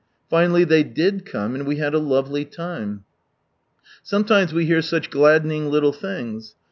Finally they did come, and we liad a lovely time. Sometimes we hear such gladdening little things.